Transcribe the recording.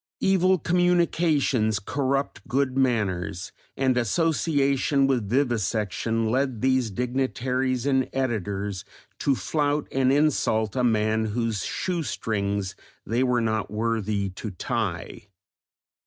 Evil communications corrupt good manners, and association with vivisection led these dignitaries and editors to flout and insult a man whose shoe strings they were not worthy to tie.